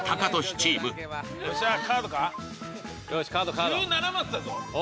１７マスだぞ。